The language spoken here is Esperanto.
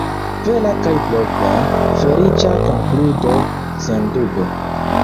Vera kaj propra “feliĉa konkludo”, sendube.